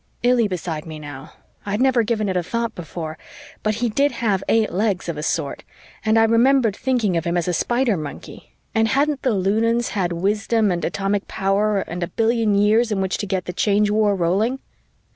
Illy beside me now I'd never given it a thought before, but he did have eight legs of a sort, and I remembered thinking of him as a spider monkey, and hadn't the Lunans had wisdom and atomic power and a billion years in which to get the Change War rolling?